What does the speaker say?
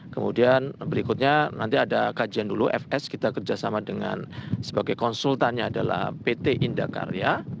kemudian berikutnya nanti ada kajian dulu fs kita kerjasama dengan sebagai konsultannya adalah pt indah karya